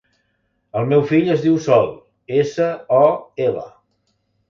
El meu fill es diu Sol: essa, o, ela.